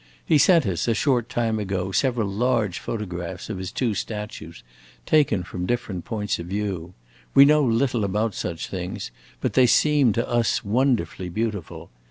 He sent us, a short time ago, several large photographs of his two statues, taken from different points of view. We know little about such things, but they seem to us wonderfully beautiful.